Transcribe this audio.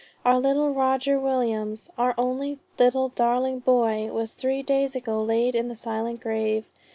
Our little Roger Williams, our only little darling boy, was three days ago laid in the silent grave.